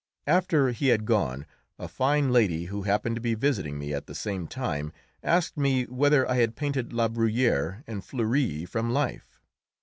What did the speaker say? After he had gone, a fine lady, who happened to be visiting me at the same time, asked me whether I had painted La Bruyère and Fleury from life.